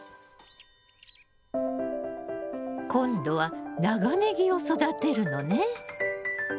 今度は長ネギを育てるのね。